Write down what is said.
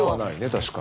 確かに。